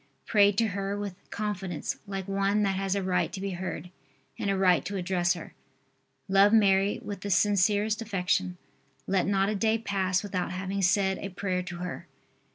Pray to her with confidence like one that has a right to be heard and a right to address her. Love Mary with the sincerest affection. Let not a day pass without having said a prayer to her.